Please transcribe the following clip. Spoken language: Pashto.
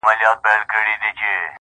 ما یې د جلال او د جمال نښي لیدلي دي.